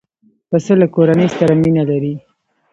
پسه له کورنۍ سره مینه لري.